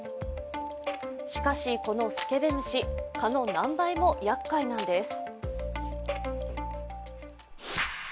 しかしこのスケベ虫、蚊の何倍もやっかいなんです。